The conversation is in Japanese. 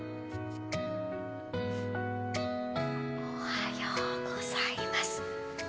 おはようございます